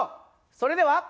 それでは。